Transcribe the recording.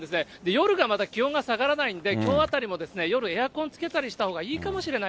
夜がまた気温が下がらないんで、きょうあたりも夜エアコンつけたりしたほうがいいかもしれな